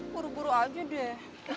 buru buru aja deh